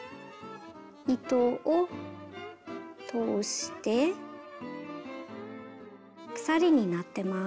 糸を通して鎖になってます。